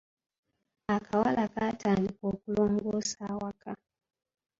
Akawala kaatandika okulongoosa awaka.